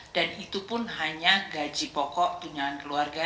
dan itu pun hanya gaji pokok tunjangan keluarga